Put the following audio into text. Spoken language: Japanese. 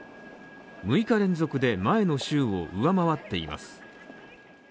６日連続で前の週を上回っています。